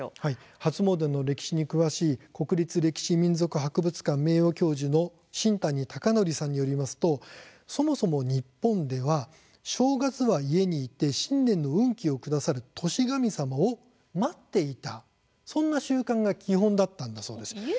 初詣の歴史に詳しい国立歴史民俗博物館の名誉教授の新谷尚紀さんによりますと、そもそも日本では正月は家にいて新年の運気をくださる年神様を待っていた。